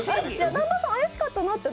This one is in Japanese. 南波さん、怪しかったなって。